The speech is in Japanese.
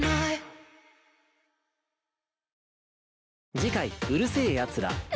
次回『うる星やつら』